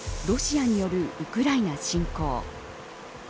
ロシアによるウクライナ侵攻。